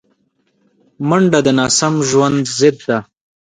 منډه د ناسم ژوند ضد ده